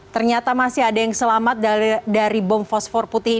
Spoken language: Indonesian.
ternyata masih ada yang selamat dari bom fosfor putih